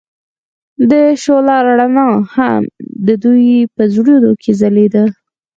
د شعله رڼا هم د دوی په زړونو کې ځلېده.